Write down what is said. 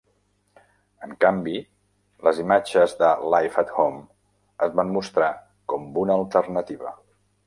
En canvi, les imatges de "Live at Home" es van mostrar com una alternativa.